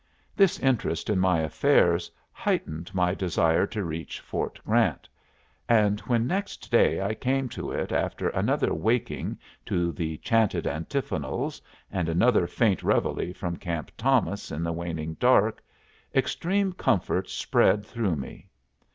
This interest in my affairs heightened my desire to reach Fort Grant; and when next day I came to it after another waking to the chanted antiphonals and another faint reveille from Camp Thomas in the waning dark, extreme comfort spread through me.